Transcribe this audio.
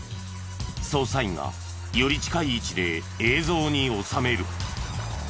捜査員がより近い位置で映像に収める。